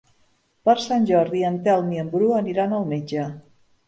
Per Sant Jordi en Telm i en Bru aniran al metge.